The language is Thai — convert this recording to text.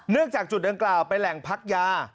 เนื่องจากจุดเดินกล่าวไปแหล่งพักยา